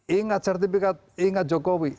ingat sertifikat ingat jokowi